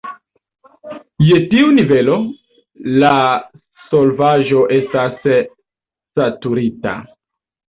Je tiu nivelo, la solvaĵo estas "saturita".